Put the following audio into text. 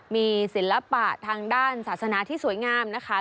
มีศิลปะทางด้านศาสนาที่สวยงามนะคะ